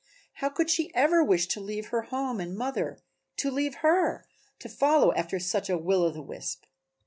How could she ever wish to leave her home and mother, to leave her, to follow after such a will o' the wisp?